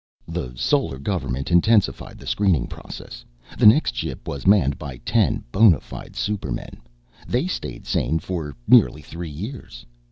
The Solar Government intensified the screening process. The next ship was manned by ten bona fide supermen. They stayed sane for nearly three years.